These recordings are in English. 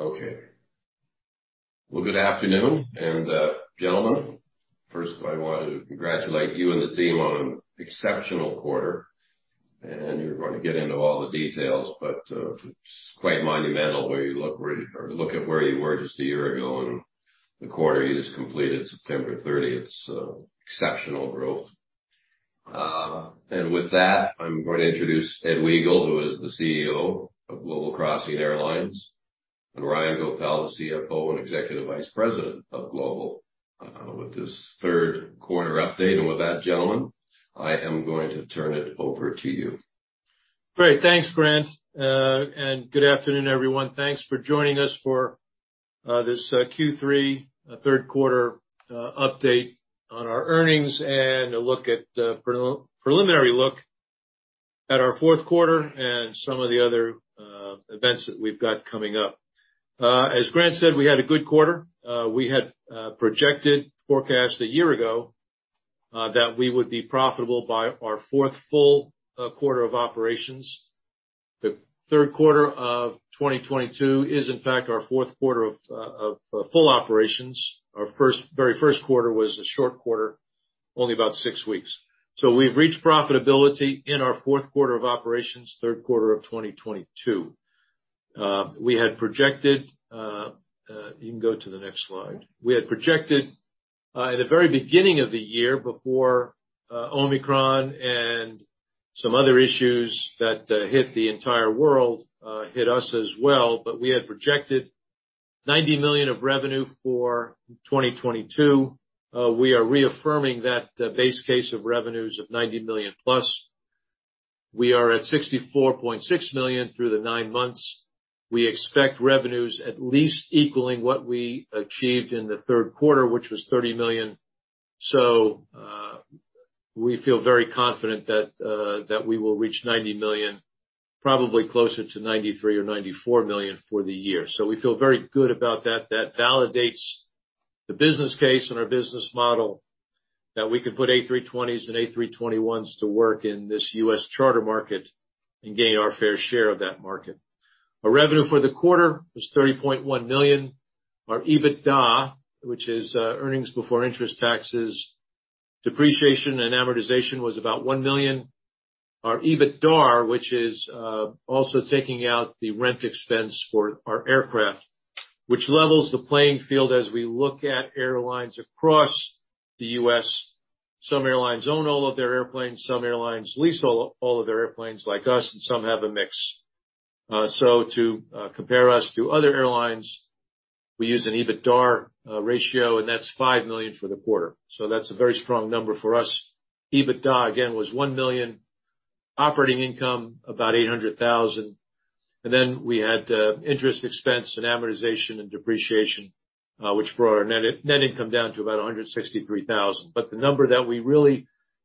Okay. Well, good afternoon. Gentlemen, first I wanted to congratulate you and the team on an exceptional quarter. You're going to get into all the details, but it's quite monumental. Or look at where you were just a year ago and the quarter you just completed, September 30th, so exceptional growth. With that, I'm going to introduce Ed Wegel, who is the CEO of Global Crossing Airlines, and Ryan Goepel, the CFO and Executive Vice President of Global Crossing Airlines, with this third quarter update. With that, gentlemen, I am going to turn it over to you. Great. Thanks, Grant. Good afternoon, everyone. Thanks for joining us for this Q3, third quarter update on our earnings and a preliminary look at our fourth quarter and some of the other events that we've got coming up. As Grant said, we had a good quarter. We had projected a year ago that we would be profitable by our fourth full quarter of operations. The third quarter of 2022 is, in fact, our fourth quarter of full operations. Our very first quarter was a short quarter, only about six weeks. So we've reached profitability in our fourth quarter of operations, third quarter of 2022. We had projected. You can go to the next slide. We had projected at the very beginning of the year before Omicron and some other issues that hit the entire world, hit us as well, but we had projected $90 million of revenue for 2022. We are reaffirming that base case of revenues of $90 million-plus. We are at $64.6 million through the nine months. We expect revenues at least equaling what we achieved in the third quarter, which was $30 million. We feel very confident that we will reach $90 million, probably closer to $93 million or $94 million for the year. We feel very good about that. That validates the business case and our business model that we can put A320s and A321s to work in this U.S. charter market and gain our fair share of that market Our revenue for the quarter was $30.1 million. Our EBITDA, which is earnings before interest, taxes, depreciation, and amortization, was about $1 million. Our EBITDAR, which is also taking out the rent expense for our aircraft, which levels the playing field as we look at airlines across the U.S. Some airlines own all of their airplanes, some airlines lease all of their airplanes like us, and some have a mix. To compare us to other airlines, we use an EBITDAR ratio, and that's $5 million for the quarter. That's a very strong number for us. EBITDA, again, was $1 million. Operating income, about $800,000. Then we had interest expense and amortization and depreciation, which brought our net income down to about $163,000.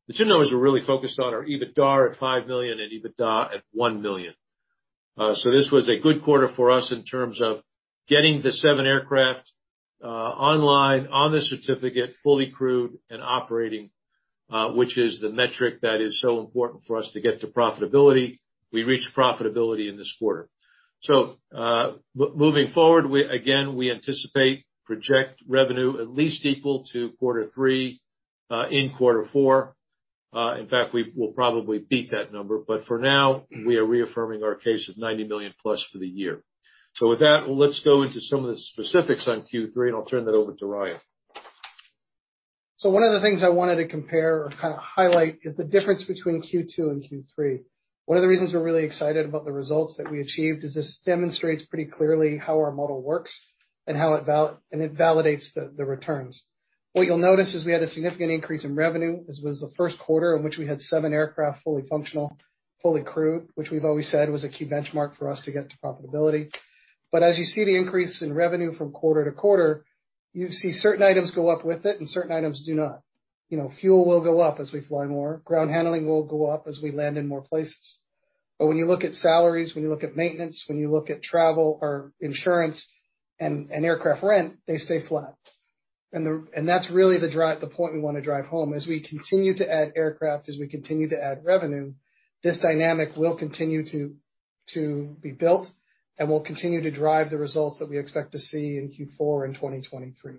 The two numbers we're really focused on are EBITDAR at $5 million and EBITDA at $1 million. This was a good quarter for us in terms of getting the seven aircraft online on the certificate, fully crewed and operating, which is the metric that is so important for us to get to profitability. We reached profitability in this quarter. Moving forward, we again anticipate project revenue at least equal to quarter three in quarter four. In fact, we will probably beat that number, but for now, we are reaffirming our case of $90 million+ for the year. With that, let's go into some of the specifics on Q3, and I'll turn that over to Ryan. One of the things I wanted to compare or kinda highlight is the difference between Q2 and Q3. One of the reasons we're really excited about the results that we achieved is this demonstrates pretty clearly how our model works and how it validates the returns. What you'll notice is we had a significant increase in revenue as it was the first quarter in which we had seven aircraft fully functional, fully crewed, which we've always said was a key benchmark for us to get to profitability. As you see the increase in revenue from quarter-to-quarter, you see certain items go up with it and certain items do not. You know, fuel will go up as we fly more. Ground handling will go up as we land in more places. When you look at salaries, when you look at maintenance, when you look at travel or insurance and aircraft rent, they stay flat. That's really the point we wanna drive home. As we continue to add aircraft, as we continue to add revenue, this dynamic will continue to be built and will continue to drive the results that we expect to see in Q4 in 2023.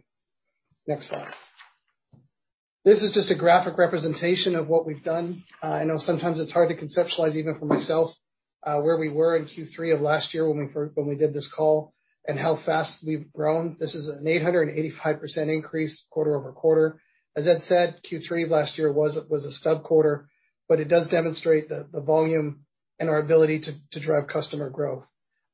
Next slide. This is just a graphic representation of what we've done. I know sometimes it's hard to conceptualize, even for myself, where we were in Q3 of last year when we did this call and how fast we've grown. This is an 885% increase quarter-over-quarter. As Ed said, Q3 last year was a stub quarter, but it does demonstrate the volume and our ability to drive customer growth.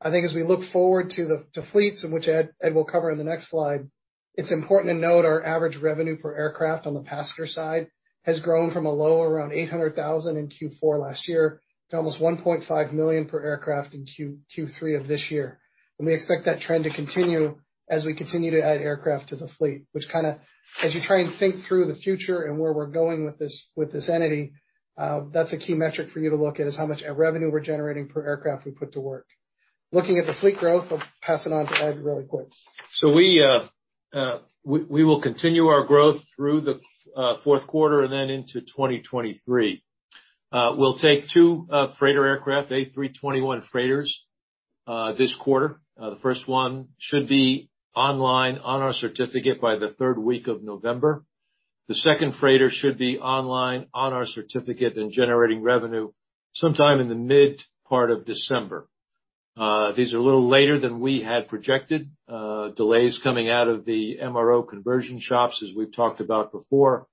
I think as we look forward to the fleets in which Ed will cover in the next slide, it's important to note our average revenue per aircraft on the passenger side has grown from a low around $800,000 in Q4 last year to almost $1.5 million per aircraft in Q3 of this year. We expect that trend to continue as we continue to add aircraft to the fleet. As you try and think through the future and where we're going with this entity, that's a key metric for you to look at is how much revenue we're generating per aircraft we put to work. Looking at the fleet growth, I'll pass it on to Ed really quick. We will continue our growth through the fourth quarter and then into 2023. We'll take two freighter aircraft, A321 freighters, this quarter. The first one should be online on our certificate by the third week of November. The second freighter should be online on our certificate and generating revenue sometime in the mid-part of December. These are a little later than we had projected, delays coming out of the MRO conversion shops as we've talked about before,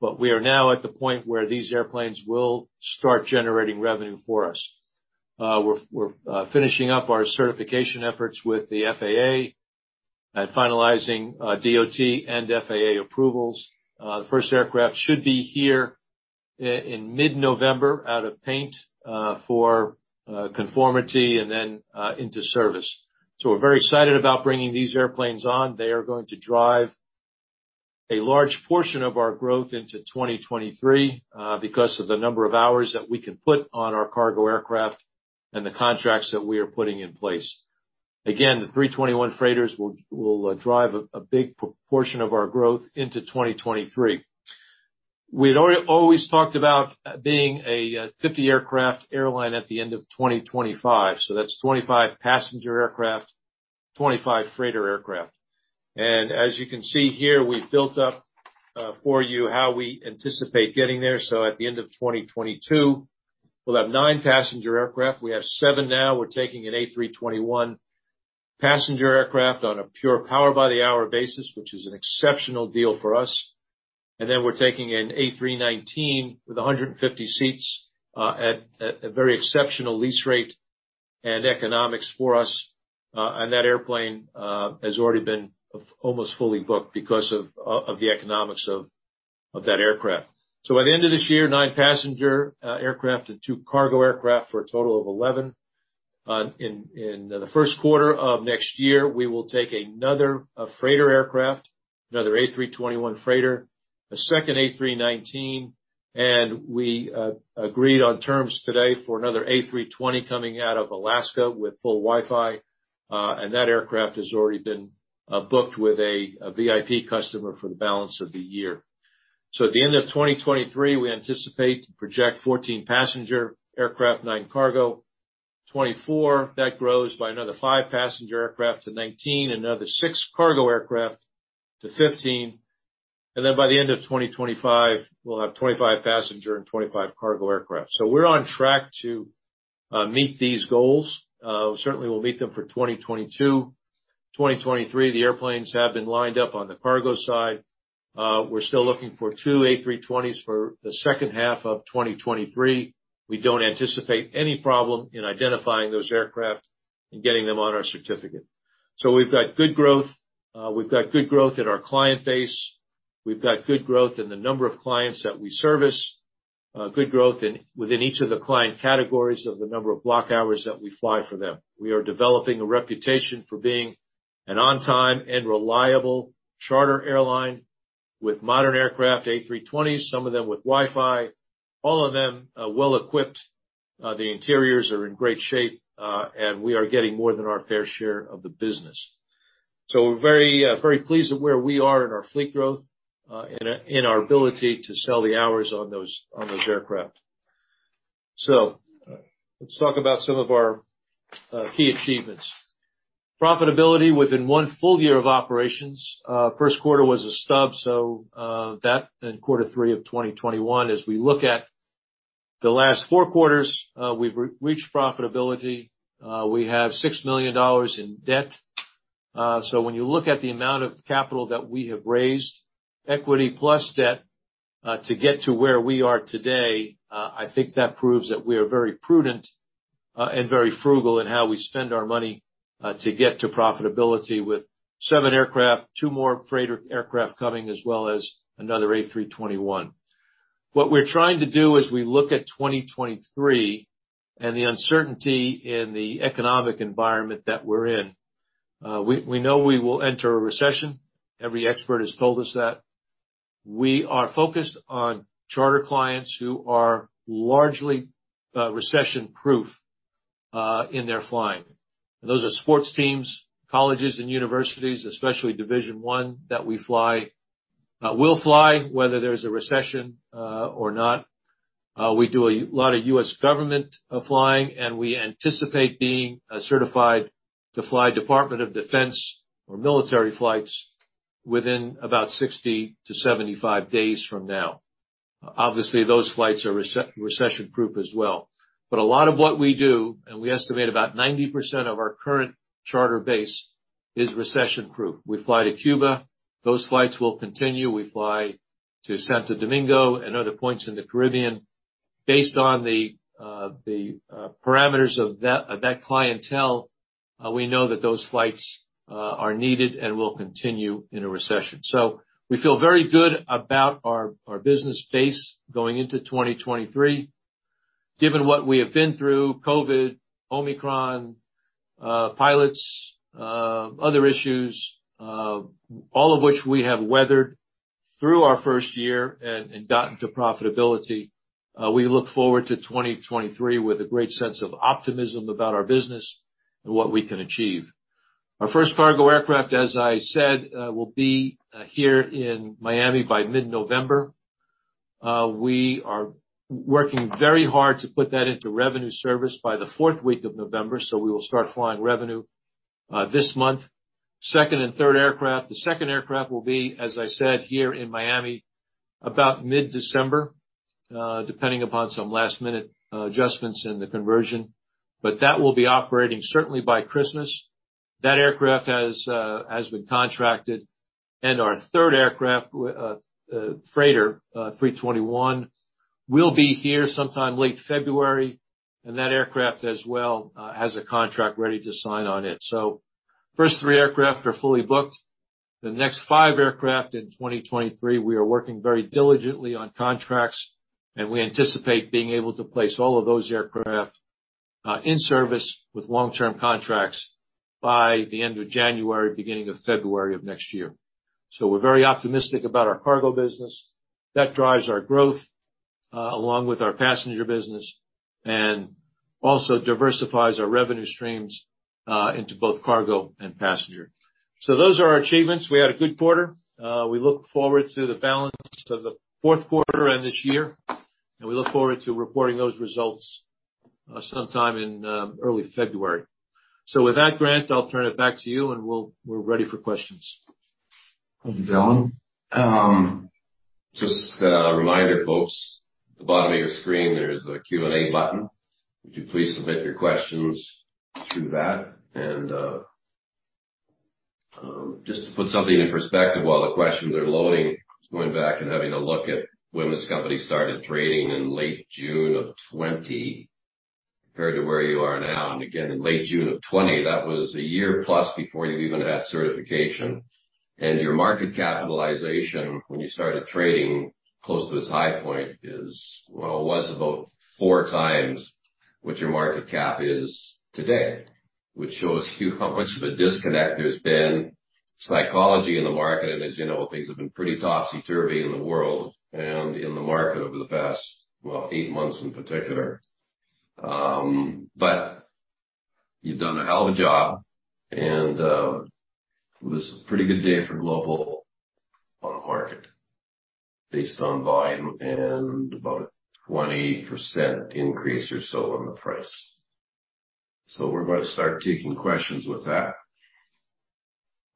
but we are now at the point where these airplanes will start generating revenue for us. We're finishing up our certification efforts with the FAA and finalizing DOT and FAA approvals. The first aircraft should be here in mid-November out of paint for conformity and then into service. We're very excited about bringing these airplanes on. They are going to drive a large portion of our growth into 2023, because of the number of hours that we can put on our cargo aircraft and the contracts that we are putting in place. Again, the 321 freighters will drive a big proportion of our growth into 2023. We'd always talked about being a 50-aircraft airline at the end of 2025, so that's 25 passenger aircraft, 25 freighter aircraft. As you can see here, we've built up for you how we anticipate getting there. At the end of 2022, we'll have nine passenger aircraft. We have seven now. We're taking an A321 passenger aircraft on a pure Power-by-the-Hour basis, which is an exceptional deal for us. We're taking an A319 with 150 seats at a very exceptional lease rate and economics for us. That airplane has already been almost fully booked because of the economics of that aircraft. At the end of this year, nine passenger aircraft and two cargo aircraft for a total of 11. In the first quarter of next year, we will take another freighter aircraft, another A321 freighter, a second A319, and we agreed on terms today for another A320 coming out of Alaska with full Wi-Fi. That aircraft has already been booked with a VIP customer for the balance of the year. At the end of 2023, we anticipate to project 14 passenger aircraft, nine cargo. 2024, that grows by another five passenger aircraft to 19, another six cargo aircraft to 15. Then by the end of 2025, we'll have 25 passenger and 25 cargo aircraft. We're on track to meet these goals. Certainly we'll meet them for 2022. 2023, the airplanes have been lined up on the cargo side. We're still looking for two A320s for the second half of 2023. We don't anticipate any problem in identifying those aircraft and getting them on our certificate. We've got good growth. We've got good growth in our client base. We've got good growth in the number of clients that we service, good growth within each of the client categories of the number of block hours that we fly for them. We are developing a reputation for being an on-time and reliable charter airline with modern aircraft, A320s, some of them with Wi-Fi, all of them, well-equipped. The interiors are in great shape, and we are getting more than our fair share of the business. We're very pleased with where we are in our fleet growth, in our ability to sell the hours on those aircraft. Let's talk about some of our key achievements. Profitability within one full year of operations. First quarter was a stub, that and quarter three of 2021. As we look at the last four quarters, we've reached profitability. We have $6 million in debt. When you look at the amount of capital that we have raised, equity plus debt, to get to where we are today, I think that proves that we are very prudent and very frugal in how we spend our money to get to profitability with seven aircraft, two more freighter aircraft coming, as well as another A321. What we're trying to do as we look at 2023 and the uncertainty in the economic environment that we're in, we know we will enter a recession. Every expert has told us that. We are focused on charter clients who are largely recession-proof in their flying. Those are sports teams, colleges and universities, especially Division I, that we fly, will fly, whether there's a recession or not. We do a lot of U.S. government flying, and we anticipate being certified to fly Department of Defense or military flights within about 60-75 days from now. Obviously, those flights are recession proof as well. A lot of what we do, and we estimate about 90% of our current charter base, is recession-proof. We fly to Cuba. Those flights will continue. We fly to Santo Domingo and other points in the Caribbean. Based on the parameters of that clientele, we know that those flights are needed and will continue in a recession. We feel very good about our business base going into 2023. Given what we have been through, COVID, Omicron, pilots, other issues, all of which we have weathered through our first year and gotten to profitability, we look forward to 2023 with a great sense of optimism about our business and what we can achieve. Our first cargo aircraft, as I said, will be here in Miami by mid-November. We are working very hard to put that into revenue service by the fourth week of November, so we will start flying revenue this month. Second and third aircraft. The second aircraft will be, as I said, here in Miami about mid-December, depending upon some last-minute adjustments in the conversion. But that will be operating certainly by Christmas. That aircraft has been contracted. Our third aircraft, freighter, 321, will be here sometime late February, and that aircraft as well has a contract ready to sign on it. First three aircraft are fully booked. The next five aircraft in 2023, we are working very diligently on contracts, and we anticipate being able to place all of those aircraft in service with long-term contracts by the end of January, beginning of February of next year. We're very optimistic about our cargo business. That drives our growth along with our passenger business and also diversifies our revenue streams into both cargo and passenger. Those are our achievements. We had a good quarter. We look forward to the balance of the fourth quarter and this year, and we look forward to reporting those results sometime in early February. With that, Grant, I'll turn it back to you, and we're ready for questions. Thanks gentlemen. Just a reminder, folks, the bottom of your screen there's a Q&A button. Would you please submit your questions through that? Just to put something in perspective while the questions are loading, just going back and having a look at when this company started trading in late June of 2020 compared to where you are now. Again, in late June of 2020, that was a year plus before you even had certification. Your market capitalization when you started trading close to its high point was about 4x what your market cap is today, which shows you how much of a disconnect there's been, psychology in the market, and as you know, things have been pretty topsy-turvy in the world and in the market over the past eight months in particular. You've done a hell of a job and it was a pretty good day for Global on the market based on volume and about a 28% increase or so on the price. We're gonna start taking questions with that.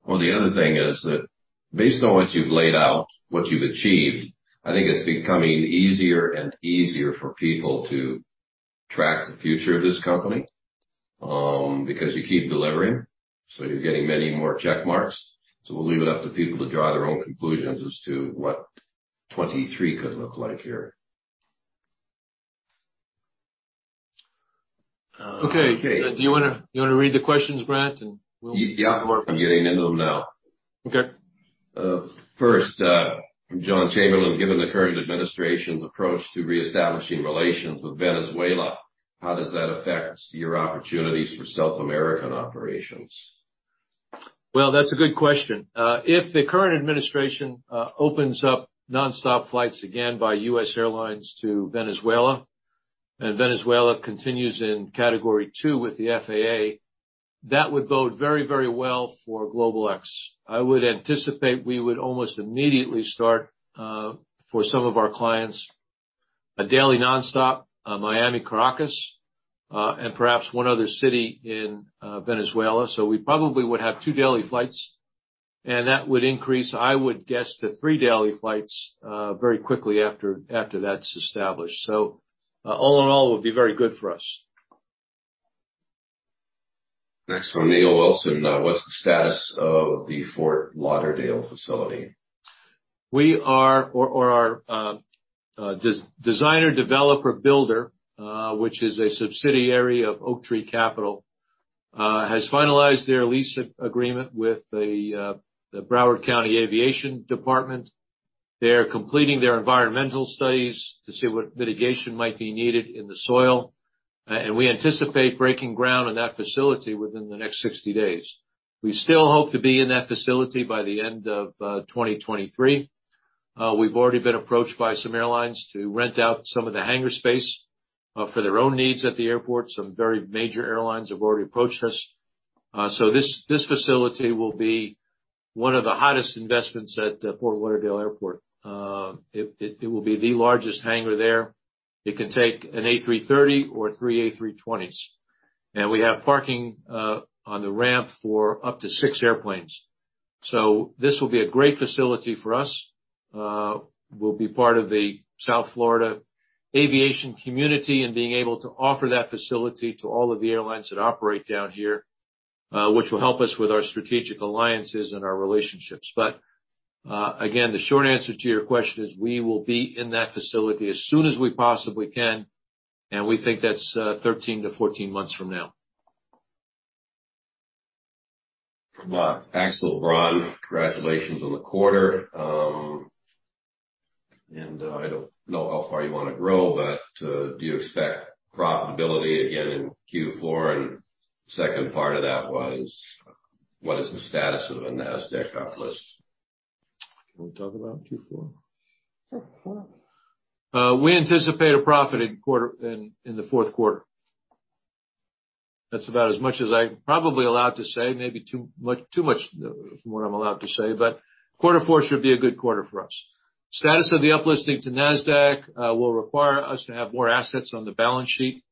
The other thing is that based on what you've laid out, what you've achieved, I think it's becoming easier and easier for people to track the future of this company because you keep delivering, so you're getting many more check marks. We'll leave it up to people to draw their own conclusions as to what 2023 could look like here. Okay. Do you wanna read the questions, Grant, and we'll- Yeah. I'm getting into them now. Okay. First, from John Chamberlain, given the current administration's approach to reestablishing relations with Venezuela, how does that affect your opportunities for South American operations? Well, that's a good question. If the current administration opens up nonstop flights again by U.S. airlines to Venezuela, and Venezuela continues in Category 2 with the FAA, that would bode very, very well for GlobalX. I would anticipate we would almost immediately start, for some of our clients, a daily nonstop, Miami-Caracas, and perhaps one other city in, Venezuela. We probably would have two daily flights, and that would increase, I would guess, to three daily flights, very quickly after that's established. All in all, it would be very good for us. Next one, Neil Wilson. What's the status of the Fort Lauderdale facility? Our designer-developer builder, which is a subsidiary of Oaktree Capital Management, has finalized their lease agreement with the Broward County Aviation Department. They're completing their environmental studies to see what mitigation might be needed in the soil. We anticipate breaking ground on that facility within the next 60 days. We still hope to be in that facility by the end of 2023. We've already been approached by some airlines to rent out some of the hangar space for their own needs at the airport. Some very major airlines have already approached us. This facility will be one of the hottest investments at the Fort Lauderdale Airport. It will be the largest hangar there. It can take an A330 or three A320s. We have parking on the ramp for up to six airplanes. This will be a great facility for us. We'll be part of the South Florida aviation community and being able to offer that facility to all of the airlines that operate down here, which will help us with our strategic alliances and our relationships. Again, the short answer to your question is we will be in that facility as soon as we possibly can, and we think that's 13-14 months from now. From Axel Braun. Congratulations on the quarter. I don't know how far you wanna grow, but do you expect profitability again in Q4? Second part of that was, what is the status of a Nasdaq up-list? Can we talk about Q4? Sure. Go ahead. We anticipate a profit in the fourth quarter. That's about as much as I'm probably allowed to say, maybe too much from what I'm allowed to say, but quarter four should be a good quarter for us. Status of the up-listing to Nasdaq will require us to have more assets on the balance sheet.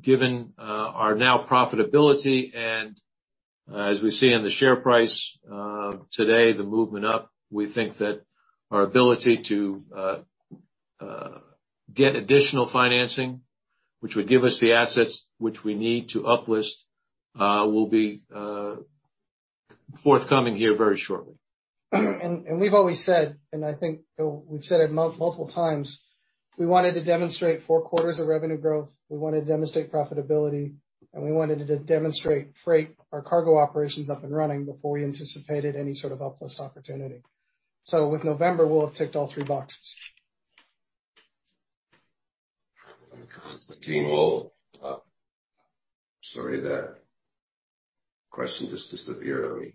Given our now profitability and as we see in the share price today, the movement up, we think that our ability to get additional financing, which would give us the assets which we need to up-list, will be forthcoming here very shortly. We've always said, and I think we've said it multiple times, we wanted to demonstrate four quarters of revenue growth. We wanted to demonstrate profitability, and we wanted to demonstrate freight or cargo operations up and running before we anticipated any sort of up-list opportunity. With November, we'll have ticked all three boxes. Sorry, the question just disappeared on me.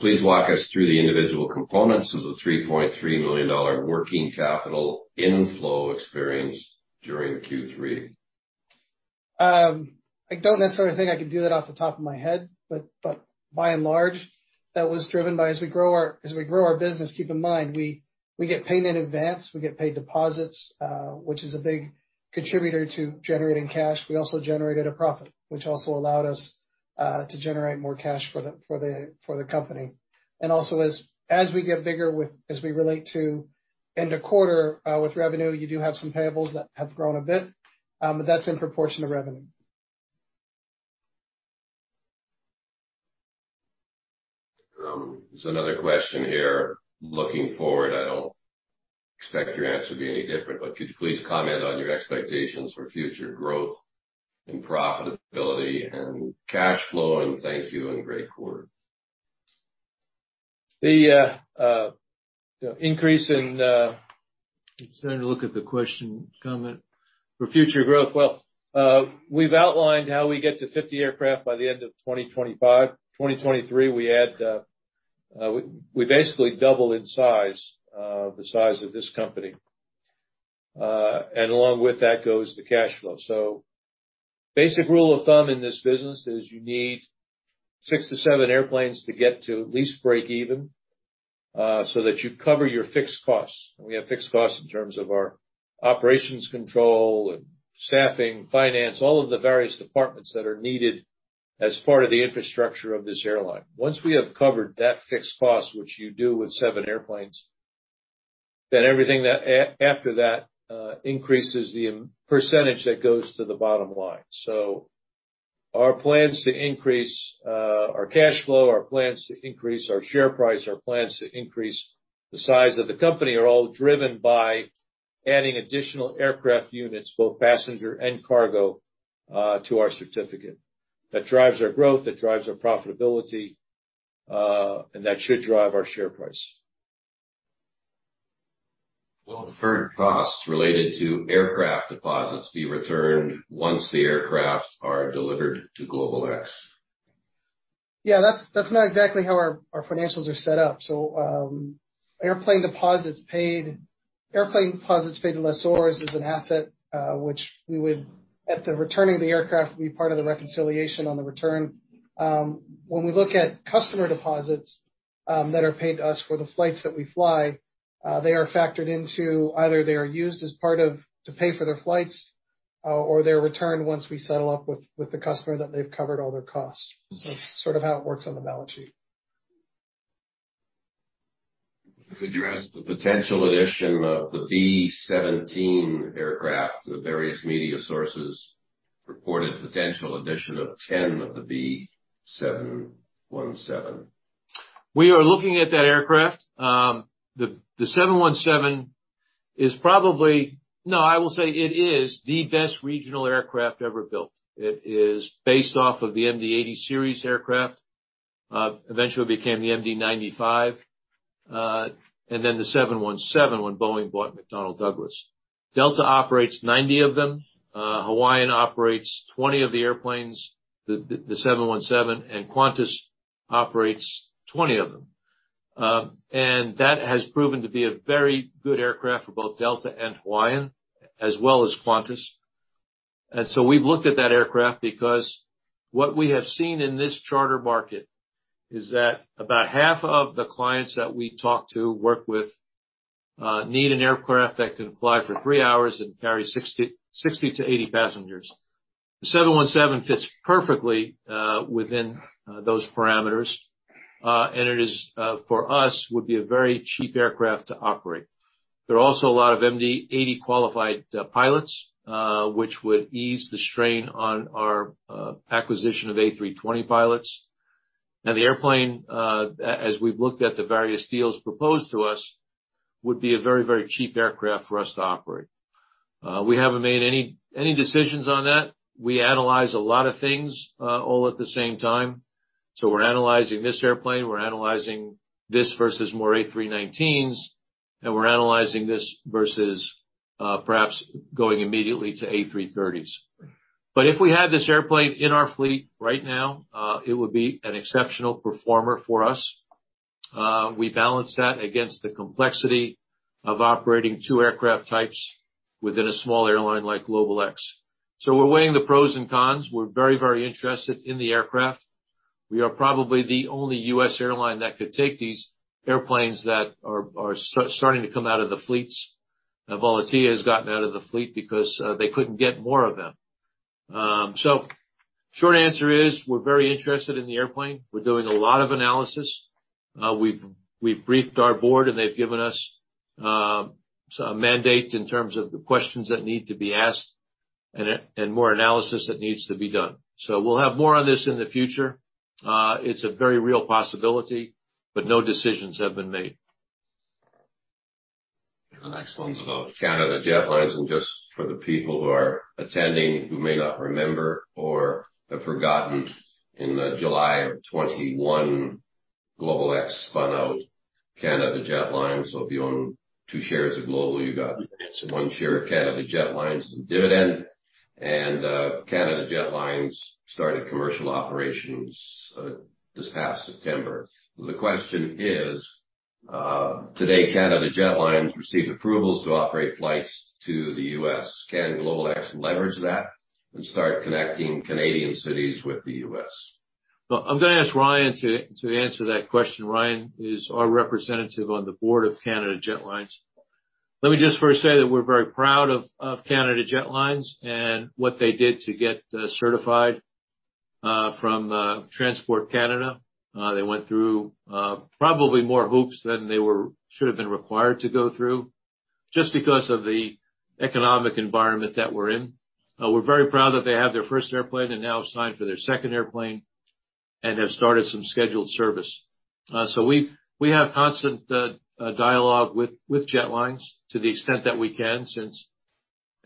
Please walk us through the individual components of the $3.3 million working capital inflow experienced during Q3. I don't necessarily think I can do that off the top of my head, but by and large, that was driven by as we grow our business, keep in mind, we get paid in advance. We get paid deposits, which is a big contributor to generating cash. We also generated a profit, which also allowed us to generate more cash for the company. Also as we get bigger as we relate to end of quarter with revenue, you do have some payables that have grown a bit, but that's in proportion to revenue. There's another question here. Looking forward, I don't expect your answer to be any different, but could you please comment on your expectations for future growth and profitability and cash flow and thank you and great quarter. For future growth, well, we've outlined how we get to 50 aircraft by the end of 2025. 2023, we add, we basically double in size, the size of this company. And along with that goes the cash flow. Basic rule of thumb in this business is you need six to seven airplanes to get to at least break even, so that you cover your fixed costs. We have fixed costs in terms of our operations control and staffing, finance, all of the various departments that are needed as part of the infrastructure of this airline. Once we have covered that fixed cost, which you do with seven airplanes, then everything after that increases the percentage that goes to the bottom line. Our plans to increase our cash flow, our plans to increase our share price, our plans to increase the size of the company are all driven by adding additional aircraft units, both passenger and cargo, to our certificate. That drives our growth, that drives our profitability, and that should drive our share price. Will deferred costs related to aircraft deposits be returned once the aircraft are delivered to GlobalX? Yeah, that's not exactly how our financials are set up. Airplane deposits paid to lessors is an asset, which we would, at the returning of the aircraft, be part of the reconciliation on the return. When we look at customer deposits that are paid to us for the flights that we fly, they are factored into either they are used as part of to pay for their flights, or they're returned once we settle up with the customer that they've covered all their costs. That's sort of how it works on the balance sheet. Could you address the potential addition of the B717 aircraft? The various media sources reported potential addition of 10 of the B717. We are looking at that aircraft. The 717 is the best regional aircraft ever built. I will say it is the best regional aircraft ever built. It is based off of the MD-80 series aircraft, eventually became the MD-95, and then the 717 when Boeing bought McDonnell Douglas. Delta operates 90 of them. Hawaiian operates 20 of the airplanes, the 717, and Qantas operates 20 of them. That has proven to be a very good aircraft for both Delta and Hawaiian, as well as Qantas. We've looked at that aircraft because what we have seen in this charter market is that about half of the clients that we talk to, work with, need an aircraft that can fly for three hours and carry 60-80 passengers. The seven one seven fits perfectly within those parameters. It is for us would be a very cheap aircraft to operate. There are also a lot of MD-80 qualified pilots which would ease the strain on our acquisition of A320 pilots. Now, the airplane, as we've looked at the various deals proposed to us, would be a very cheap aircraft for us to operate. We haven't made any decisions on that. We analyze a lot of things all at the same time. We're analyzing this airplane, we're analyzing this versus more A319s, and we're analyzing this versus perhaps going immediately to A330s. But if we had this airplane in our fleet right now, it would be an exceptional performer for us. We balance that against the complexity of operating two aircraft types within a small airline like GlobalX. We're weighing the pros and cons. We're very, very interested in the aircraft. We are probably the only U.S. airline that could take these airplanes that are starting to come out of the fleets. Now Volotea has gotten out of the fleet because they couldn't get more of them. Short answer is, we're very interested in the airplane. We're doing a lot of analysis. We've briefed our Board, and they've given us some mandates in terms of the questions that need to be asked and more analysis that needs to be done. We'll have more on this in the future. It's a very real possibility, but no decisions have been made. The next one's about Canada Jetlines, and just for the people who are attending who may not remember or have forgotten, in July of 2021, GlobalX spun out Canada Jetlines. If you own two shares of Global, you got one share of Canada Jetlines as a dividend. Canada Jetlines started commercial operations this past September. The question is, today Canada Jetlines received approvals to operate flights to the U.S. Can GlobalX leverage that and start connecting Canadian cities with the U.S.? Well, I'm gonna ask Ryan to answer that question. Ryan is our representative on the Board of Canada Jetlines. Let me just first say that we're very proud of Canada Jetlines and what they did to get certified from Transport Canada. They went through probably more hoops than they should have been required to go through just because of the economic environment that we're in. We're very proud that they have their first airplane and now signed for their second airplane and have started some scheduled service. So we have constant dialogue with Jetlines to the extent that we can, since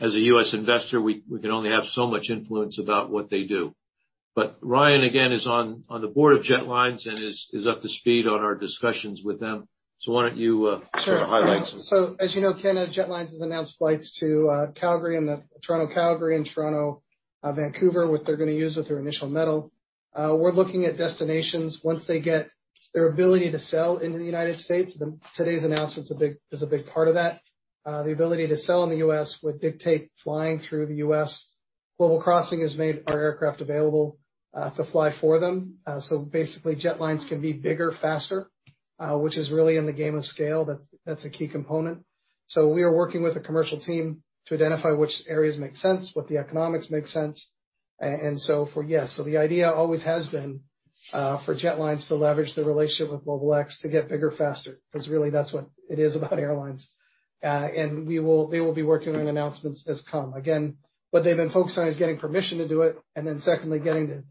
as a U.S. investor, we can only have so much influence about what they do. Ryan, again, is on the Board of Jetlines and is up to speed on our discussions with them. Why don't you, sort of highlight some? Sure. As you know, Canada Jetlines has announced flights to Calgary and Toronto-Calgary and Toronto-Vancouver, which they're gonna use with their initial metal. We're looking at destinations once they get their ability to sell into the United States. Today's announcement is a big part of that. The ability to sell in the U.S. would dictate flying through the U.S. Global Crossing has made our aircraft available to fly for them. Basically, Jetlines can be bigger, faster, which is really in the game of scale. That's a key component. We are working with a commercial team to identify which areas make sense, what the economics make sense. Yes. The idea always has been for Jetlines to leverage the relationship with GlobalX to get bigger faster, because really that's what it is about airlines. They will be working on announcements as come. Again, what they've been focused on is getting permission to do it, and then secondly, getting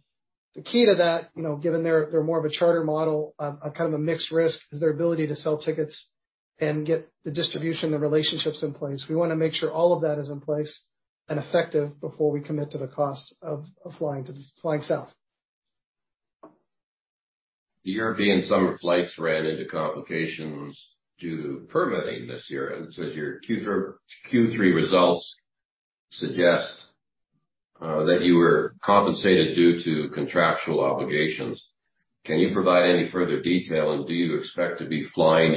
the key to that, you know, given they're more of a charter model, kind of a mixed risk, is their ability to sell tickets and get the distribution, the relationships in place. We wanna make sure all of that is in place and effective before we commit to the cost of flying south. The European summer flights ran into complications due to permitting this year, and it says your Q3 results suggest that you were compensated due to contractual obligations. Can you provide any further detail, and do you expect to be flying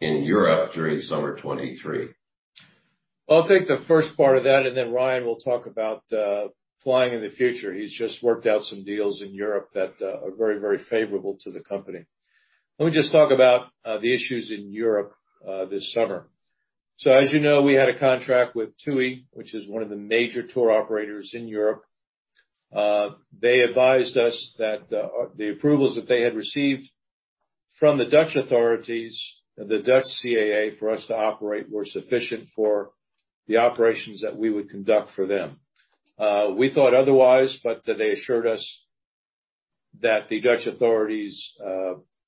in Europe during summer 2023? I'll take the first part of that, and then Ryan will talk about flying in the future. He's just worked out some deals in Europe that are very, very favorable to the company. Let me just talk about the issues in Europe this summer. As you know, we had a contract with TUI, which is one of the major tour operators in Europe. They advised us that the approvals that they had received from the Dutch authorities, the Dutch CAA, for us to operate were sufficient for the operations that we would conduct for them. We thought otherwise, but they assured us that the Dutch authorities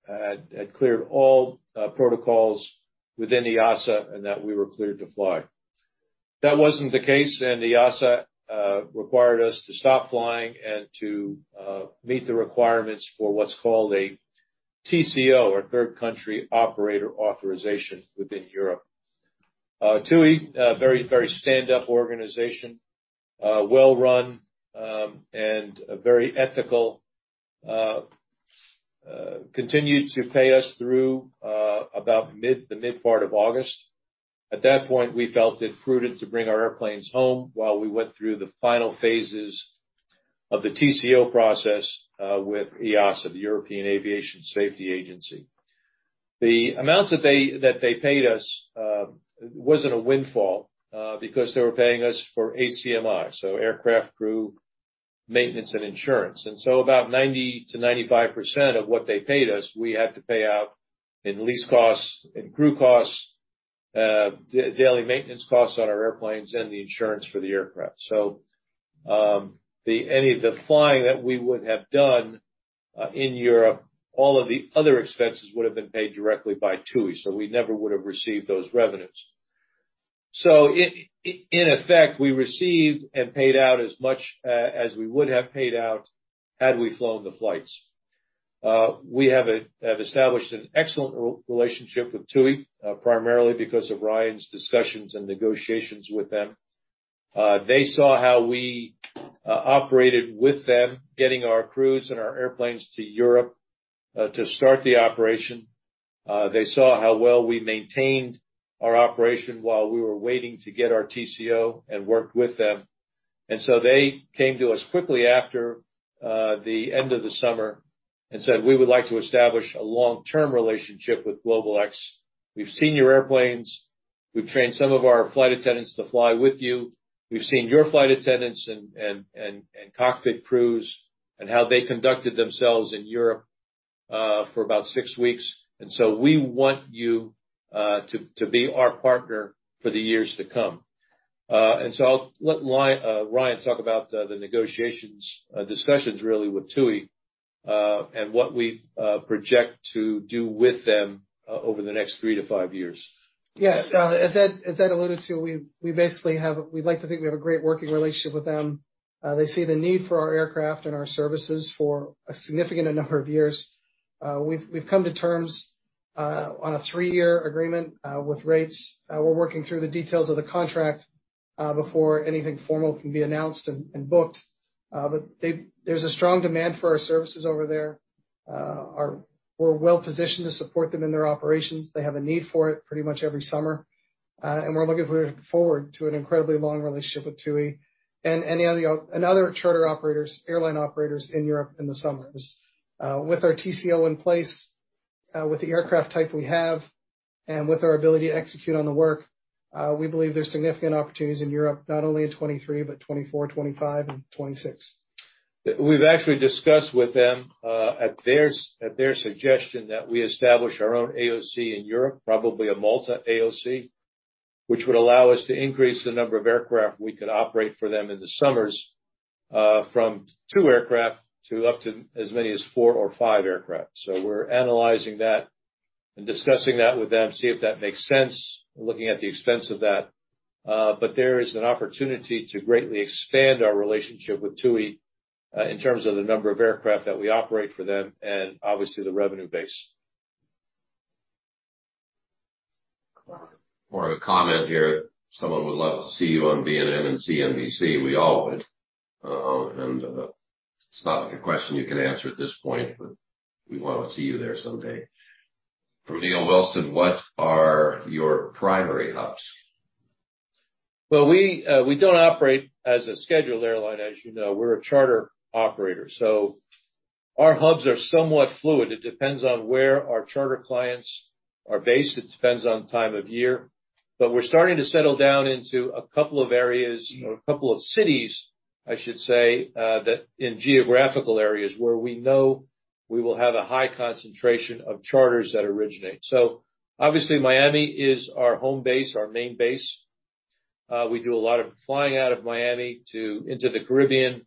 had cleared all protocols within EASA and that we were cleared to fly. That wasn't the case. EASA required us to stop flying and to meet the requirements for what's called a TCO, or Third Country Operator authorization within Europe. TUI, a very stand-up organization, well-run, and very ethical, continued to pay us through about the mid part of August. At that point, we felt it prudent to bring our airplanes home while we went through the final phases of the TCO process with EASA, the European Union Aviation Safety Agency. The amounts that they paid us wasn't a windfall because they were paying us for ACMI, so Aircraft, Crew, Maintenance, and Insurance. About 90%-95% of what they paid us, we had to pay out in lease costs, in crew costs, daily maintenance costs on our airplanes and the insurance for the aircraft. Any of the flying that we would have done in Europe, all of the other expenses would have been paid directly by TUI, so we never would have received those revenues. In effect, we received and paid out as much as we would have paid out had we flown the flights. We have established an excellent relationship with TUI, primarily because of Ryan's discussions and negotiations with them. They saw how we operated with them, getting our crews and our airplanes to Europe to start the operation. They saw how well we maintained our operation while we were waiting to get our TCO and worked with them. They came to us quickly after the end of the summer and said, "We would like to establish a long-term relationship with GlobalX. We've seen your airplanes. We've trained some of our flight attendants to fly with you. We've seen your flight attendants and cockpit crews and how they conducted themselves in Europe for about six weeks. And so we want you to be our partner for the years to come." I'll let Ryan talk about the negotiations, discussions really with TUI and what we project to do with them over the next three to five years. As Ed alluded to, we'd like to think we have a great working relationship with them. They see the need for our aircraft and our services for a significant number of years. We've come to terms on a three-year agreement with rates. We're working through the details of the contract before anything formal can be announced and booked. But there's a strong demand for our services over there. We're well-positioned to support them in their operations. They have a need for it pretty much every summer. We're looking forward to an incredibly long relationship with TUI and any other charter operators, airline operators in Europe in the summers. With our TCO in place, with the aircraft type we have, and with our ability to execute on the work, we believe there's significant opportunities in Europe, not only in 2023, but 2024, 2025, and 2026. We've actually discussed with them at their suggestion that we establish our own AOC in Europe, probably a Malta AOC, which would allow us to increase the number of aircraft we could operate for them in the summers from two aircraft to up to as many as four or five aircraft. We're analyzing that and discussing that with them, see if that makes sense. We're looking at the expense of that. There is an opportunity to greatly expand our relationship with TUI in terms of the number of aircraft that we operate for them and obviously the revenue base. More of a comment here. Someone would love to see you on BNN and CNBC. We all would. It's not a question you can answer at this point, but we wanna see you there someday. From Neil Wilson, what are your primary hubs? We don't operate as a scheduled airline, as you know. We're a charter operator. Our hubs are somewhat fluid. It depends on where our charter clients are based. It depends on time of year. We're starting to settle down into a couple of areas or a couple of cities, I should say, that in geographical areas where we know we will have a high concentration of charters that originate. Obviously, Miami is our home base, our main base. We do a lot of flying out of Miami into the Caribbean,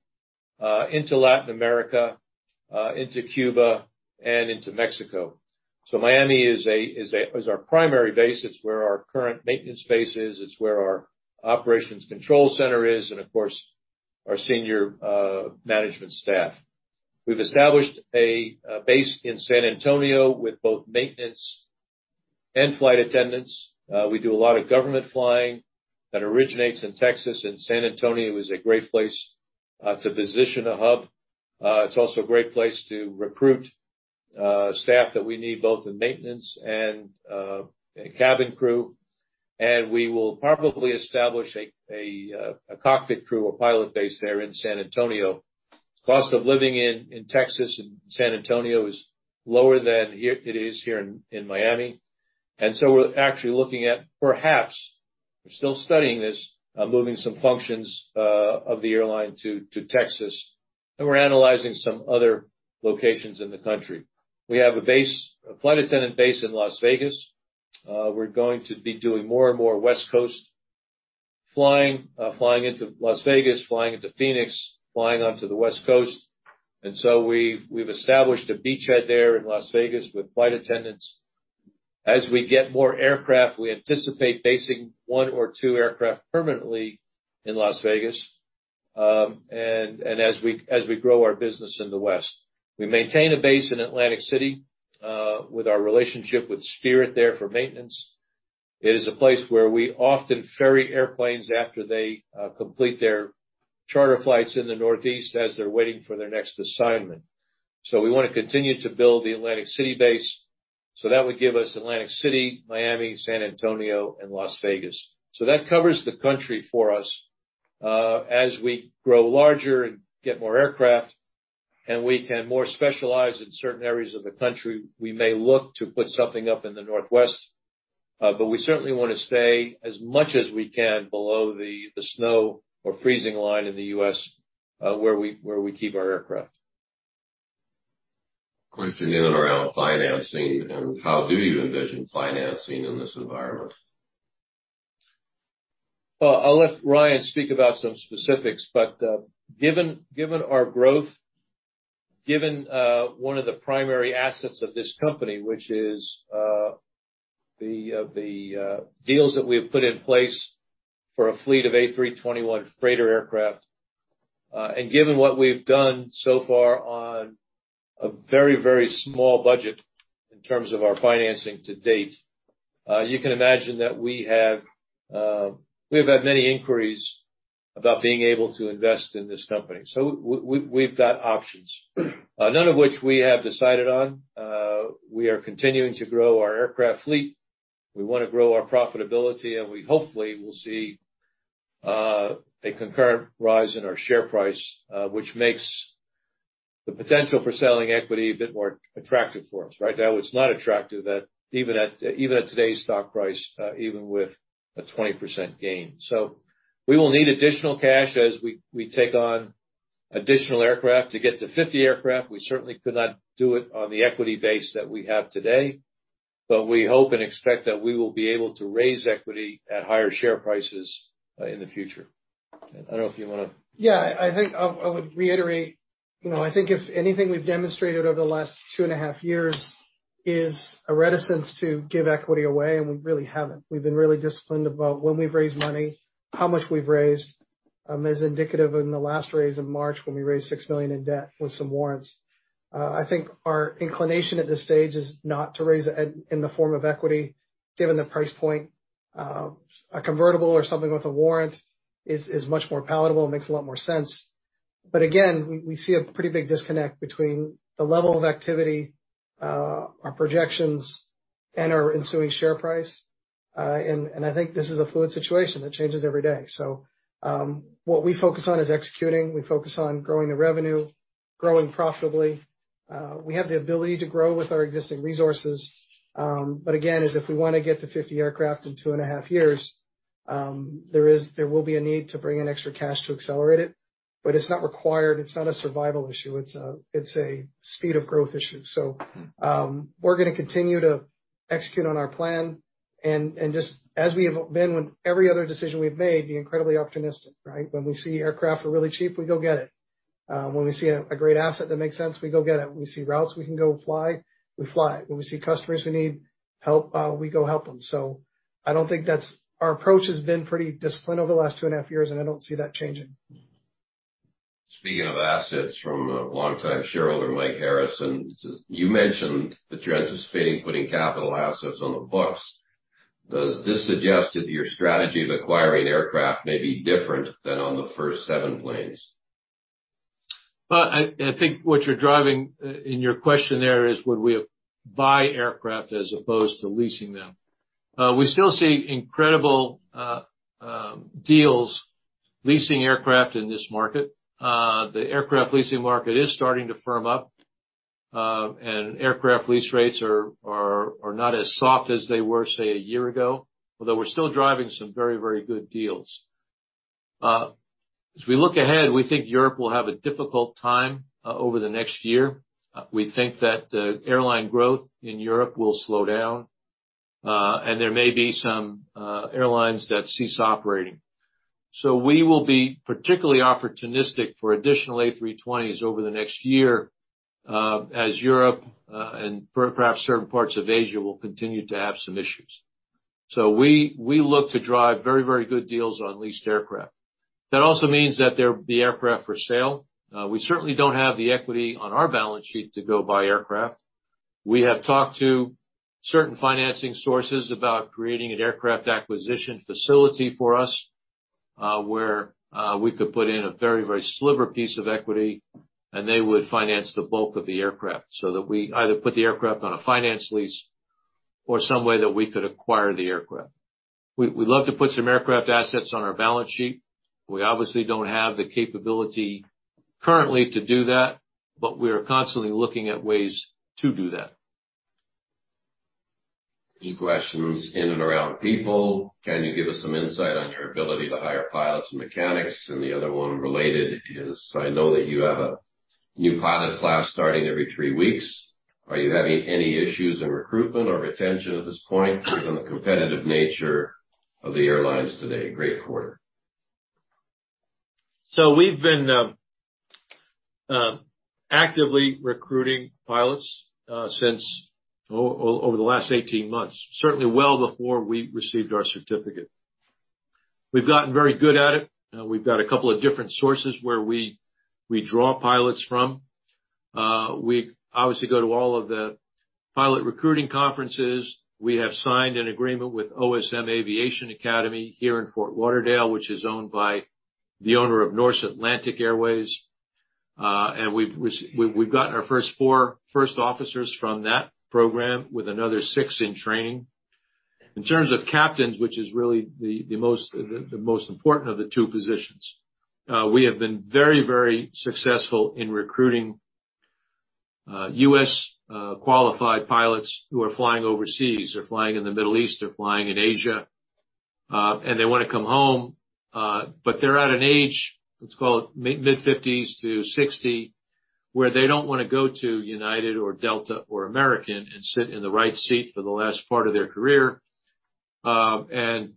into Latin America, into Cuba, and into Mexico. Miami is our primary base. It's where our current maintenance base is. It's where our operations control center is and, of course, our senior management staff. We've established a base in San Antonio with both maintenance and flight attendants. We do a lot of government flying that originates in Texas, and San Antonio is a great place to position a hub. It's also a great place to recruit staff that we need, both in maintenance and cabin crew. We will probably establish a cockpit crew or pilot base there in San Antonio. Cost of living in Texas and San Antonio is lower than here, it is here in Miami. We're actually looking at, perhaps, we're still studying this, moving some functions of the airline to Texas, and we're analyzing some other locations in the country. We have a base, a flight attendant base in Las Vegas. We're going to be doing more and more West Coast flying into Las Vegas, flying into Phoenix, flying onto the West Coast. We've established a beachhead there in Las Vegas with flight attendants. As we get more aircraft, we anticipate basing one or two aircraft permanently in Las Vegas, and as we grow our business in the West. We maintain a base in Atlantic City with our relationship with Spirit there for maintenance. It is a place where we often ferry airplanes after they complete their charter flights in the Northeast as they're waiting for their next assignment. We wanna continue to build the Atlantic City base. That would give us Atlantic City, Miami, San Antonio, and Las Vegas. That covers the country for us. As we grow larger and get more aircraft, and we can more specialize in certain areas of the country, we may look to put something up in the Northwest. But we certainly wanna stay as much as we can below the snow or freezing line in the U.S., where we keep our aircraft. Question in and around financing and how do you envision financing in this environment? I'll let Ryan speak about some specifics, but given our growth, given one of the primary assets of this company, which is the deals that we have put in place for a fleet of A321 freighter aircraft, and given what we've done so far on a very small budget in terms of our financing to date, you can imagine that we have had many inquiries about being able to invest in this company, so we've got options. None of which we have decided on. We are continuing to grow our aircraft fleet. We wanna grow our profitability, and we hopefully will see a concurrent rise in our share price, which makes the potential for selling equity a bit more attractive for us, right? Now, it's not attractive even at today's stock price, even with a 20% gain. We will need additional cash as we take on additional aircraft to get to 50 aircraft. We certainly could not do it on the equity base that we have today. We hope and expect that we will be able to raise equity at higher share prices in the future. I don't know if you wanna... Yeah, I think I'll reiterate. You know, I think if anything we've demonstrated over the last two and a half years is a reticence to give equity away, and we really haven't. We've been really disciplined about when we've raised money, how much we've raised, as indicated in the last raise in March when we raised $6 million in debt with some warrants. I think our inclination at this stage is not to raise in the form of equity, given the price point. A convertible or something with a warrant is much more palatable and makes a lot more sense. But again, we see a pretty big disconnect between the level of activity, our projections and our ensuing share price. I think this is a fluid situation that changes every day. What we focus on is executing. We focus on growing the revenue, growing profitably. We have the ability to grow with our existing resources. Again, if we wanna get to 50 aircraft in two and a half years, there will be a need to bring in extra cash to accelerate it, but it's not required. It's not a survival issue. It's a speed of growth issue. We're gonna continue to execute on our plan and just as we have been when every other decision we've made, be incredibly optimistic, right? When we see aircraft are really cheap, we go get it. When we see a great asset that makes sense, we go get it. When we see routes we can go fly, we fly. When we see customers who need help, we go help them. Our approach has been pretty disciplined over the last two and a half years, and I don't see that changing. Speaking of assets from a longtime shareholder, Mike Harrison. You mentioned that you're anticipating putting capital assets on the books. Does this suggest that your strategy of acquiring aircraft may be different than on the first seven planes? Well, I think what you're driving in your question there is would we buy aircraft as opposed to leasing them. We still see incredible deals leasing aircraft in this market. The aircraft leasing market is starting to firm up, and aircraft lease rates are not as soft as they were, say, a year ago, although we're still driving some very good deals. As we look ahead, we think Europe will have a difficult time over the next year. We think that airline growth in Europe will slow down, and there may be some airlines that cease operating. We will be particularly opportunistic for additional A320s over the next year, as Europe and perhaps certain parts of Asia will continue to have some issues. We look to drive very, very good deals on leased aircraft. That also means that there'll be aircraft for sale. We certainly don't have the equity on our balance sheet to go buy aircraft. We have talked to certain financing sources about creating an aircraft acquisition facility for us, where we could put in a very, very sliver piece of equity, and they would finance the bulk of the aircraft so that we either put the aircraft on a finance lease or some way that we could acquire the aircraft. We'd love to put some aircraft assets on our balance sheet. We obviously don't have the capability currently to do that, but we are constantly looking at ways to do that. Any questions in and around people? Can you give us some insight on your ability to hire pilots and mechanics? The other one related is, I know that you have a new pilot class starting every three weeks. Are you having any issues in recruitment or retention at this point, given the competitive nature of the airlines today? Great quarter. We've been actively recruiting pilots since over the last 18 months, certainly well before we received our certificate. We've gotten very good at it. We've got a couple of different sources where we draw pilots from. We obviously go to all of the pilot recruiting conferences. We have signed an agreement with OSM Aviation Academy here in Fort Lauderdale, which is owned by the owner of Norse Atlantic Airways. We've gotten our first four first officers from that program with another six in training. In terms of captains, which is really the most important of the two positions, we have been very successful in recruiting U.S. qualified pilots who are flying overseas. They're flying in the Middle East, they're flying in Asia, and they wanna come home. They're at an age, let's call it mid-50s to 60, where they don't wanna go to United or Delta or American and sit in the right seat for the last part of their career, and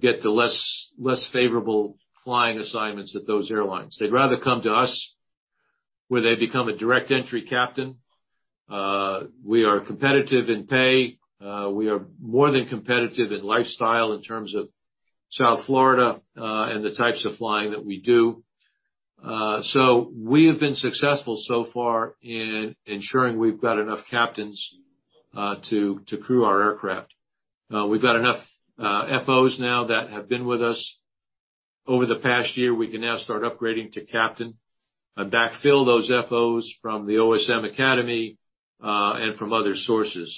get the less favorable flying assignments at those airlines. They'd rather come to us where they become a direct entry captain. We are competitive in pay. We are more than competitive in lifestyle in terms of South Florida, and the types of flying that we do. We have been successful so far in ensuring we've got enough captains to crew our aircraft. We've got enough FOs now that have been with us over the past year. We can now start upgrading to captain and backfill those FOs from the OSM Aviation Academy, and from other sources.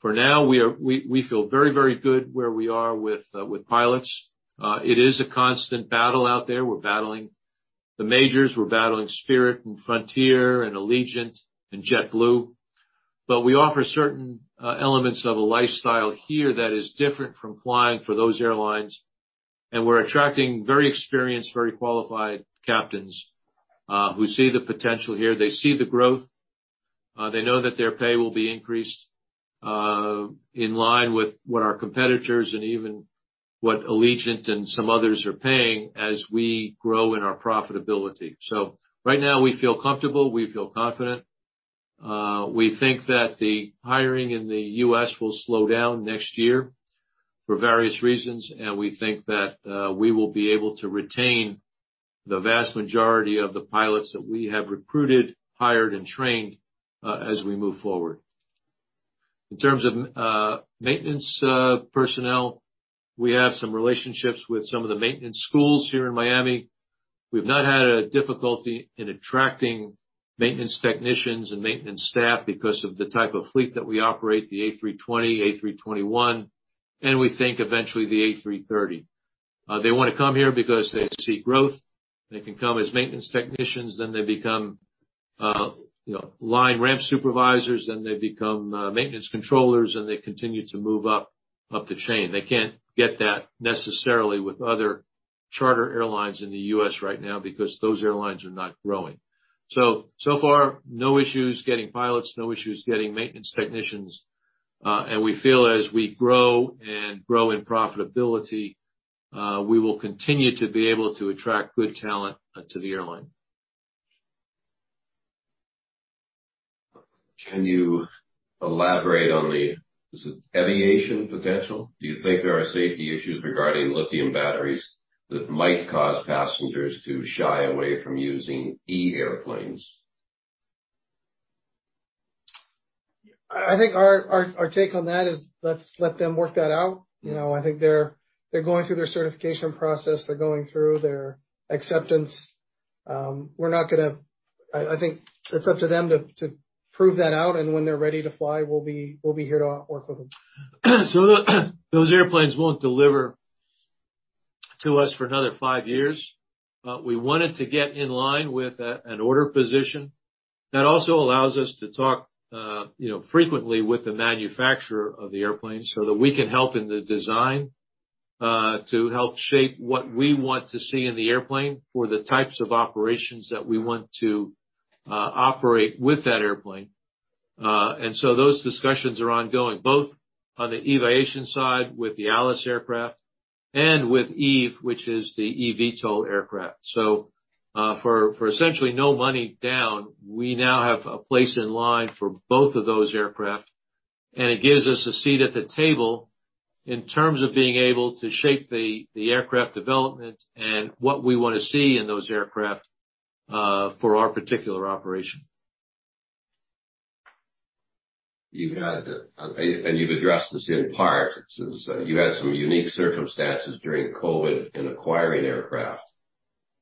For now, we feel very, very good where we are with pilots. It is a constant battle out there. We're battling the majors, we're battling Spirit and Frontier and Allegiant and JetBlue. We offer certain elements of a lifestyle here that is different from flying for those airlines. We're attracting very experienced, very qualified captains who see the potential here. They see the growth. They know that their pay will be increased in line with what our competitors and even what Allegiant and some others are paying as we grow in our profitability. Right now we feel comfortable, we feel confident. We think that the hiring in the U.S. will slow down next year for various reasons, and we think that we will be able to retain the vast majority of the pilots that we have recruited, hired, and trained as we move forward. In terms of maintenance personnel, we have some relationships with some of the maintenance schools here in Miami. We've not had a difficulty in attracting maintenance technicians and maintenance staff because of the type of fleet that we operate, the A320, A321, and we think eventually the A330. They wanna come here because they see growth. They can come as maintenance technicians, then they become, you know, line ramp supervisors, then they become maintenance controllers, and they continue to move up the chain. They can't get that necessarily with other charter airlines in the U.S. right now because those airlines are not growing. So far, no issues getting pilots, no issues getting maintenance technicians. We feel as we grow and grow in profitability, we will continue to be able to attract good talent to the airline. Can you elaborate on the Eviation potential? Do you think there are safety issues regarding lithium batteries that might cause passengers to shy away from using e-airplanes? I think our take on that is let's let them work that out. You know, I think they're going through their certification process. They're going through their acceptance. I think it's up to them to prove that out, and when they're ready to fly, we'll be here to work with them. Those airplanes won't deliver to us for another five years. We wanted to get in line with an order position. That also allows us to talk, you know, frequently with the manufacturer of the airplane so that we can help in the design, to help shape what we want to see in the airplane for the types of operations that we want to operate with that airplane. Those discussions are ongoing, both on the aviation side with the Alice aircraft and with Eve, which is the eVTOL aircraft. For essentially no money down, we now have a place in line for both of those aircraft, and it gives us a seat at the table in terms of being able to shape the aircraft development and what we wanna see in those aircraft, for our particular operation. You had and you've addressed this in part, since you had some unique circumstances during COVID in acquiring aircraft.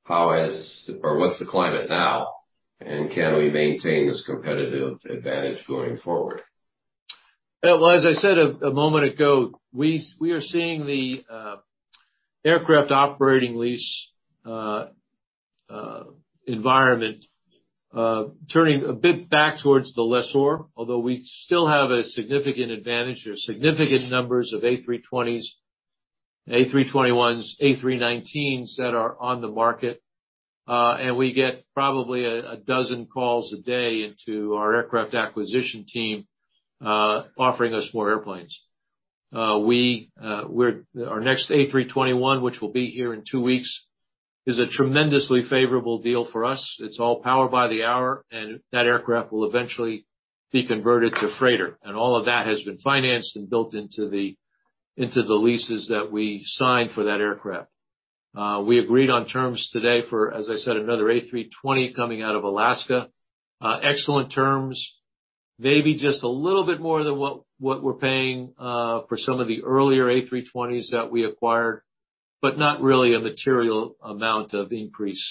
How has or what's the climate now, and can we maintain this competitive advantage going forward? Well, as I said a moment ago, we are seeing the aircraft operating lease environment turning a bit back towards the lessor. Although we still have a significant advantage here. Significant numbers of A320s, A321s, A319s that are on the market. We get probably 12 calls a day into our aircraft acquisition team offering us more airplanes. Our next A321, which will be here in two weeks, is a tremendously favorable deal for us. It's all Power-by-the-Hour, and that aircraft will eventually be converted to freighter. All of that has been financed and built into the leases that we signed for that aircraft. We agreed on terms today for, as I said, another A320 coming out of Alaska Airlines. Excellent terms. Maybe just a little bit more than what we're paying for some of the earlier A320s that we acquired, but not really a material amount of increase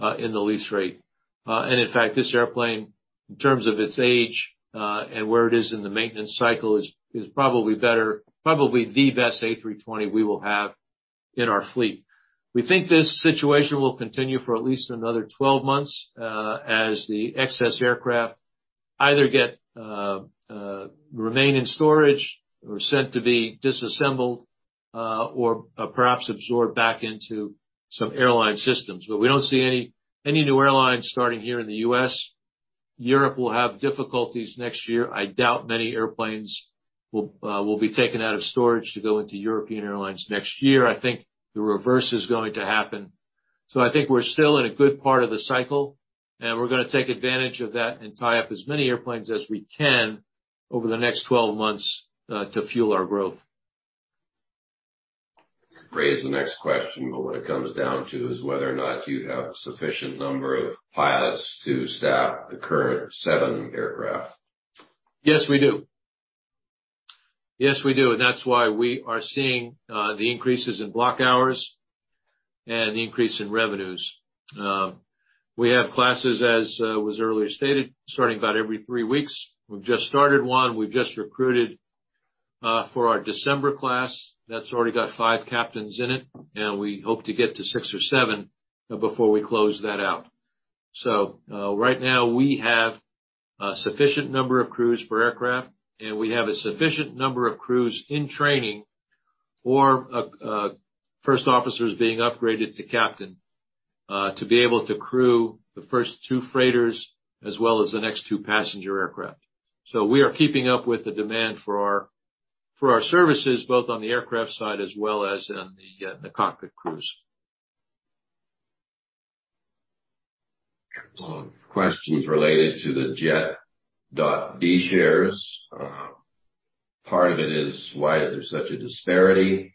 in the lease rate. In fact, this airplane, in terms of its age and where it is in the maintenance cycle, is probably better, probably the best A320 we will have in our fleet. We think this situation will continue for at least another 12 months, as the excess aircraft either remain in storage or sent to be disassembled, or perhaps absorbed back into some airline systems. We don't see any new airlines starting here in the U.S. Europe will have difficulties next year. I doubt many airplanes will be taken out of storage to go into European airlines next year. I think the reverse is going to happen. I think we're still in a good part of the cycle, and we're gonna take advantage of that and tie up as many airplanes as we can over the next 12 months, to fuel our growth. Raise the next question, but what it comes down to is whether or not you have sufficient number of pilots to staff the current seven aircraft. Yes, we do. That's why we are seeing the increases in block hours and the increase in revenues. We have classes, as was earlier stated, starting about every three weeks. We've just started one. We've just recruited for our December class. That's already got five captains in it, and we hope to get to six or seven before we close that out. Right now we have a sufficient number of crews per aircraft, and we have a sufficient number of crews in training, first officers being upgraded to captain, to be able to crew the first two freighters as well as the next two passenger aircraft. We are keeping up with the demand for our services, both on the aircraft side as well as in the cockpit crews. Questions related to the JET.B shares. Part of it is, why is there such a disparity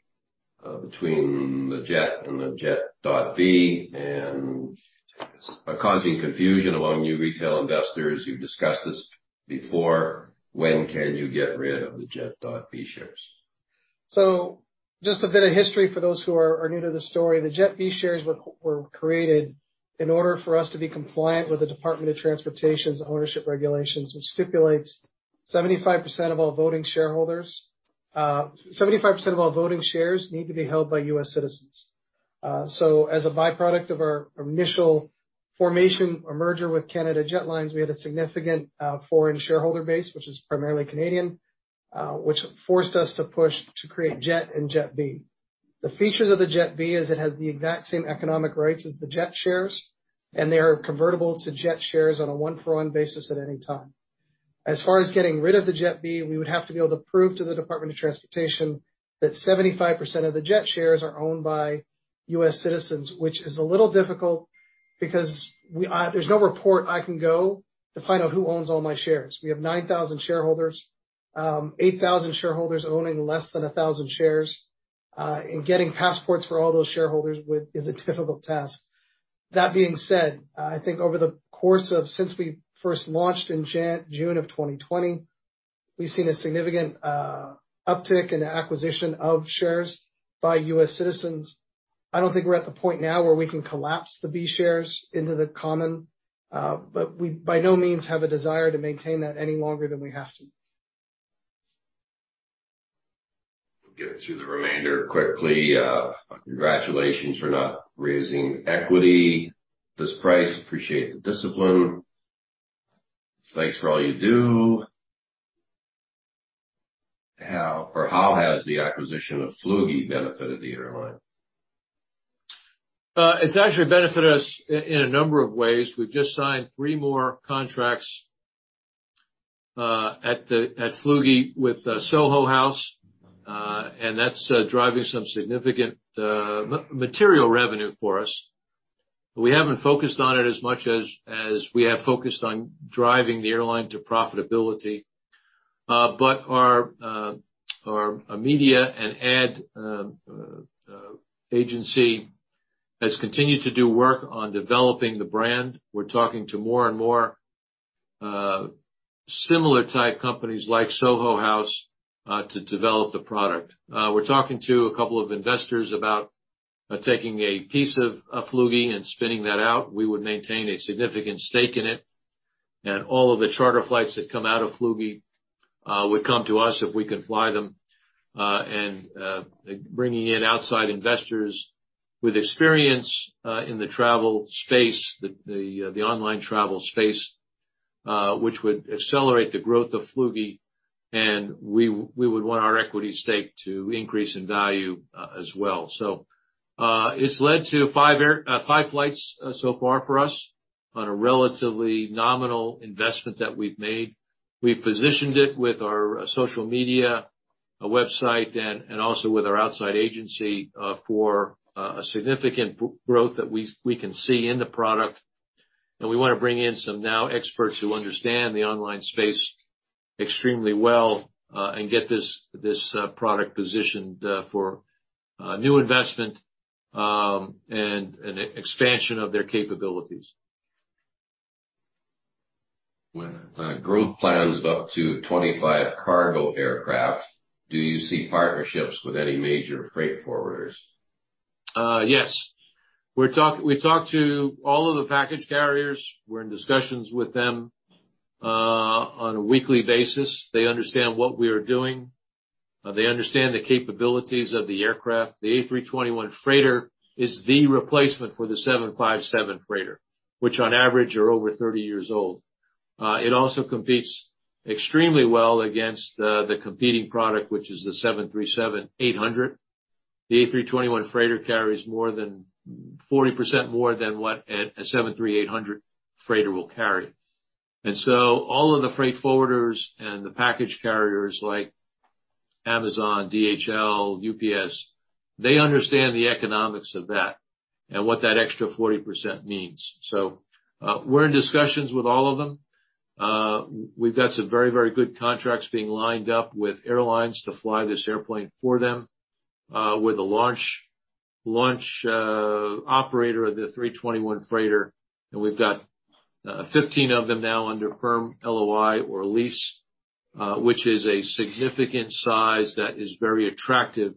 between the JET and the JET.B and are causing confusion among new retail investors? You've discussed this before. When can you get rid of the JET.B shares? Just a bit of history for those who are new to the story. The JET.B shares were created in order for us to be compliant with the Department of Transportation's ownership regulations, which stipulates 75% of all voting shareholders. 75% of all voting shares need to be held by U.S. citizens. As a byproduct of our initial formation or merger with Canada Jetlines, we had a significant foreign shareholder base, which is primarily Canadian, which forced us to push to create JET and JET.B. The features of the JET.B Is it has the exact same economic rights as the Jet shares, and they are convertible to Jet shares on a one-for-one basis at any time. As far as getting rid of the JET.B, we would have to be able to prove to the Department of Transportation that 75% of the JET shares are owned by U.S. citizens, which is a little difficult because we, there's no report I can go to find out who owns all my shares. We have 9,000 shareholders, 8,000 shareholders owning less than 1,000 shares, and getting passports for all those shareholders is a difficult task. That being said, I think over the course of since we first launched in June of 2020, we've seen a significant uptick in the acquisition of shares by U.S. citizens. I don't think we're at the point now where we can collapse the B shares into the common, but we, by no means, have a desire to maintain that any longer than we have to. Get through the remainder quickly. Congratulations for not raising equity. This price appreciates the discipline. Thanks for all you do. How has the acquisition of Flügy benefited the airline? It's actually benefited us in a number of ways. We've just signed three more contracts at Flügy with Soho House, and that's driving some significant material revenue for us. We haven't focused on it as much as we have focused on driving the airline to profitability. Our media and ad agency has continued to do work on developing the brand. We're talking to more and more similar type companies like Soho House to develop the product. We're talking to a couple of investors about taking a piece of Flügy and spinning that out. We would maintain a significant stake in it, and all of the charter flights that come out of Flügy would come to us if we could fly them, and bringing in outside investors with experience in the travel space, the online travel space, which would accelerate the growth of Flügy, and we would want our equity stake to increase in value as well. It's led to five flights so far for us on a relatively nominal investment that we've made. We've positioned it with our social media, a website and also with our outside agency for a significant growth that we can see in the product. We wanna bring in some new experts who understand the online space extremely well, and get this product positioned for new investment and an expansion of their capabilities. When growth plans up to 25 cargo aircraft, do you see partnerships with any major freight forwarders? Yes. We talked to all of the package carriers. We're in discussions with them on a weekly basis. They understand what we are doing. They understand the capabilities of the aircraft. The A321 freighter is the replacement for the 757 freighter, which on average are over 30 years old. It also competes extremely well against the competing product, which is the 737-800. The A321 freighter carries more than 40% more than what a 737-800 freighter will carry. All of the freight forwarders and the package carriers like Amazon, DHL, UPS, they understand the economics of that and what that extra 40% means. We're in discussions with all of them. We've got some very, very good contracts being lined up with airlines to fly this airplane for them, with a launch operator of the A321 freighter. We've got 15 of them now under firm LOI or lease, which is a significant size that is very attractive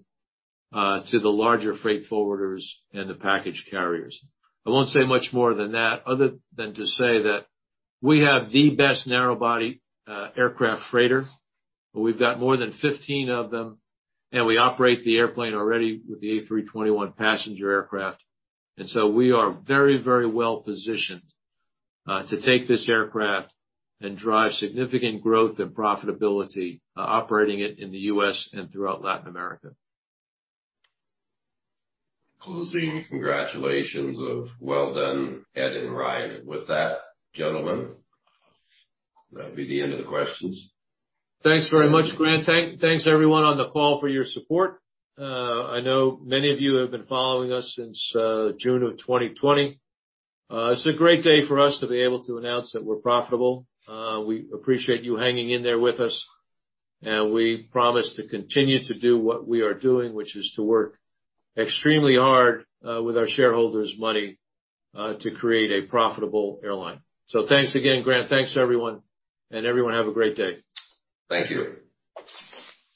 to the larger freight forwarders and the package carriers. I won't say much more than that, other than to say that we have the best narrow-body aircraft freighter. We've got more than 15 of them, and we operate the airplane already with the A321 passenger aircraft. We are very, very well positioned to take this aircraft and drive significant growth and profitability, operating it in the U.S. and throughout Latin America. Closing. Congratulations. Well done, Ed and Ryan. With that, gentlemen, that'll be the end of the questions. Thanks very much, Grant. Thanks everyone on the call for your support. I know many of you have been following us since June of 2020. It's a great day for us to be able to announce that we're profitable. We appreciate you hanging in there with us, and we promise to continue to do what we are doing, which is to work extremely hard with our shareholders' money to create a profitable airline. Thanks again, Grant. Thanks, everyone. Everyone, have a great day. Thank you.